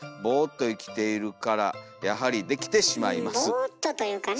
「ボーッと」というかね。